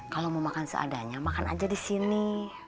kalau mau makan seadanya makan aja disini